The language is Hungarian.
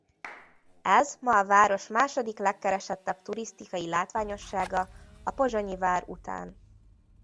Ez ma a város második legkeresettebb turisztikai látványossága a pozsonyi vár után.